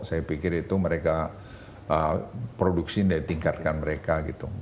saya pikir itu mereka produksi dan tingkatkan mereka gitu